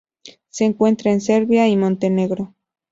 Se encuentra en Serbia y Montenegro.